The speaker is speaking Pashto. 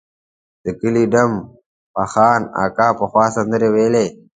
د کلي ډم فخان اکا پخوا سندرې ویلې.